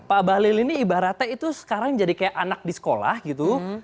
pak bahlil ini ibaratnya itu sekarang jadi kayak anak di sekolah gitu